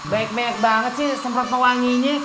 baik baik banget sih semprot kewanginya